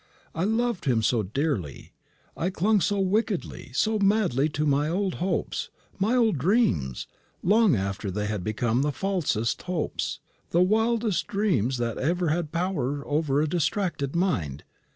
I loved him so dearly, I clung so wickedly, so madly to my old hopes, my old dreams, long after they had become the falsest hopes, the wildest dreams that ever had power over a distracted mind.